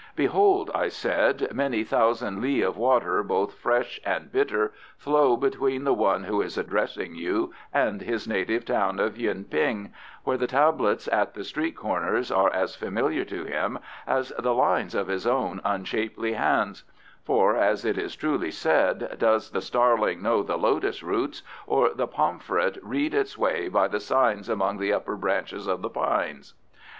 "Behold," I said, "many thousand li of water, both fresh and bitter, flow between the one who is addressing you and his native town of Yuen ping, where the tablets at the street corners are as familiar to him as the lines of his own unshapely hands; for, as it is truly said, 'Does the starling know the lotus roots, or the pomfret read its way by the signs among the upper branches of the pines?